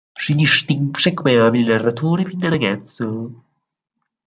Si distinse come abile narratore fin da ragazzo.